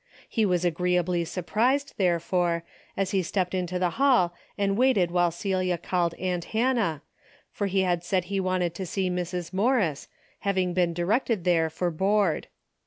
He was agreeably surprised, therefore, as he stepped into the hall and waited while Celia called aunt Hannah, for he had said he wanted to see Mrs. Morris, having been directed there for board.